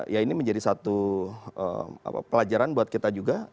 ya ini menjadi satu pelajaran buat kita juga